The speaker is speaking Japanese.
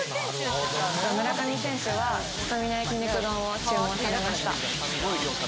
村上選手はスタミナ焼き肉丼を注文されました。